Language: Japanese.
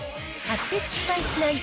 買って失敗しない！